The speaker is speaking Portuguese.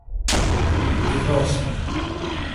De rocha